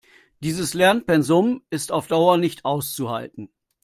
Dieses Lernpensum ist auf Dauer nicht auszuhalten.